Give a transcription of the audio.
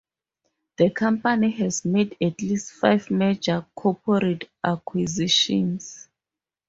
The company has made at least five major corporate acquisitions.